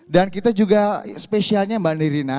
dan kita juga spesialnya mbak nirina